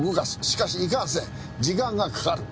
しかしいかんせん時間がかかる！